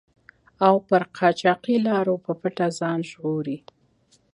او پر قاچاقي لارو په پټه ځان ژغوري.